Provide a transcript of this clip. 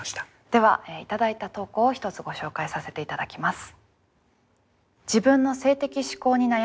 では頂いた投稿を１つご紹介させて頂きます。